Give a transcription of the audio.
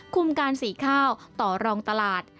การสีข้าวต่อรองตลาด